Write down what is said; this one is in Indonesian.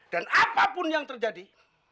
dan apapun yang terjadi